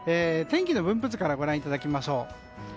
天気の分布図からご覧いただきましょう。